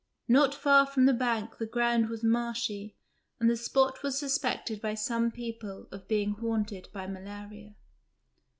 Not far from the bank the ground was marshy and the spot was suspected by some people of being haunted by malaria.